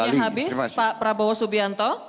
baik waktunya habis pak prabowo subianto